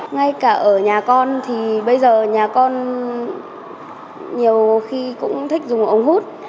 ngay cả ở nhà con thì bây giờ nhà con nhiều khi cũng thích dùng ống hút